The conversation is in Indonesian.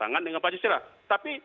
tentangan dengan pancasila tapi